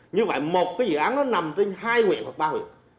như vậy một cái dự án nó nằm trên hai huyện hoặc ba huyện